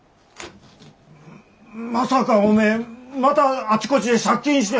まさかおめえまたあちこちで借金して！